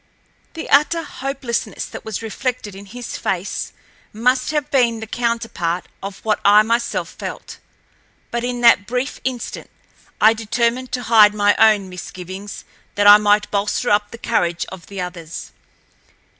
The utter hopelessness that was reflected in his face must have been the counterpart of what I myself felt, but in that brief instant I determined to hide my own misgivings that I might bolster up the courage of the others.